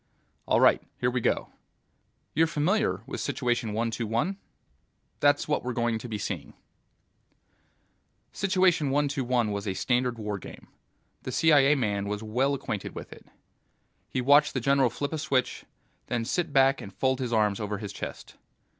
"All right. Here we go. You're familiar with Situation One Two One? That's what we're going to be seeing." Situation One Two One was a standard war game. The CIA man was well acquainted with it. He watched the general flip a switch, then sit back and fold his arms over his chest.